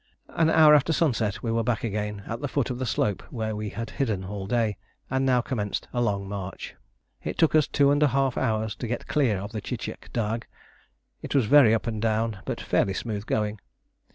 An hour after sunset we were back again at the foot of the slope where we had hidden all day, and now commenced a long march. It took us two and a half hours to get clear of the Tchitchek Dagh. It was very up and down, but fairly smooth going.